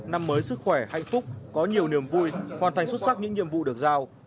năm mới sức khỏe hạnh phúc có nhiều niềm vui hoàn thành xuất sắc những nhiệm vụ được giao